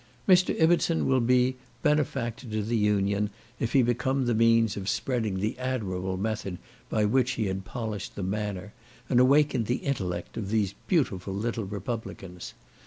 Mr. Ibbertson will be benefactor to the Union, if he become the means of spreading the admirable method by which he had polished the manner, and awakened the intellect of these beautiful little Republicans.